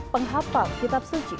penghapal kitab suci